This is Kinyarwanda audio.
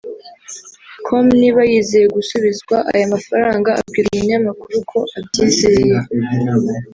com niba yizeye gusubizwa aya mafaranga abwira umunyamakuru ko abyizeye